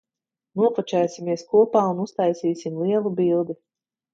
Nofočēsimies kopā un uztaisīsim lielu bildi.